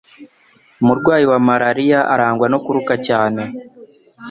umurwayi wa malariya arangwa no kuruka cyane